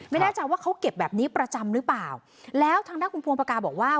ไม่แน่ใจว่าเขาเก็บแบบนี้ประจำหรือเปล่าแล้วทางด้านคุณพวงปากกาบอกว่า